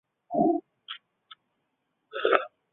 所以现在的庆丰闸是元朝的庆丰上闸。